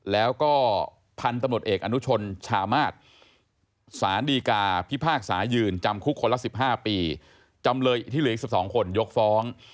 แล้วก็พันธุ์ตำรวจเอกอนุชนชามาศสารดีกาพิพากษายืนจำคุกคนละ๑๕ปีจำเลยที่เหลืออีก๑๒คนยกฟ้อง